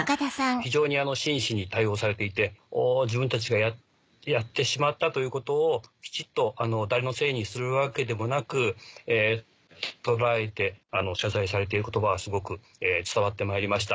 非常に真摯に対応されていて自分たちがやってしまったということをきちっと誰のせいにするわけでもなく捉えて謝罪されている言葉はすごく伝わってまいりました。